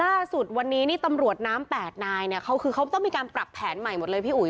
ล่าสุดวันนี้นี่ตำรวจน้ำ๘นายเนี่ยเขาคือเขาต้องมีการปรับแผนใหม่หมดเลยพี่อุ๋